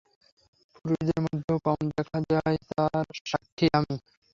পুরুষের মধ্যেও কম দেখা যায়, তার সাক্ষী আমি।